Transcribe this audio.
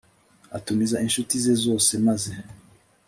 atumiza incuti ze zose maze